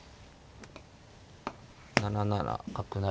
７七角成。